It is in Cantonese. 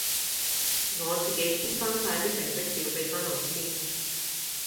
我自己簽返曬啲成績表俾返老師。